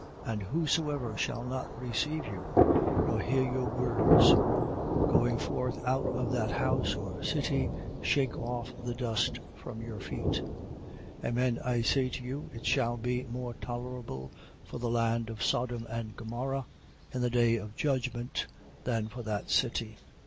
And whosoever shall not receive you, nor hear your words: going forth out of that house or city shake off the dust from your feet. 10:15. Amen I say to you, it shall be more tolerable for the land of Sodom and Gomorrha in the day of judgment, than for that city.